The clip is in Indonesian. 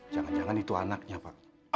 jangan jangan itu anaknya pak